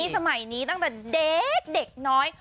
สมัยนี้ตั้งแต่เด็กน้อย